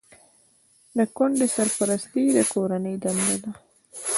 د کونډې سرپرستي د کورنۍ دنده ده.